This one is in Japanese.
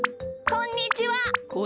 こんにちは。